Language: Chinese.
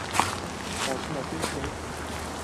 跑去买冰淇淋